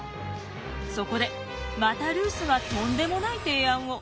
そこでまたルースはとんでもない提案を！